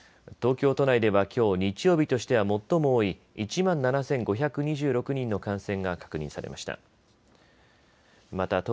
東京都内ではきょう日曜日としては最も多い１万７５２６人の感染が確認されました。